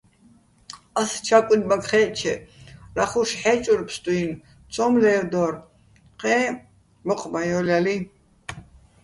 ას ჩაკუჲნმაქ ხაე̆ჸჩე ლახუშ ჰ̦ე́ჭურ ფსტუ́ჲნო̆, ცო́მ ლე́ვდო́რ, ჴეჼ მოჴ ბაჼ ჲო́ლჲალიჼ.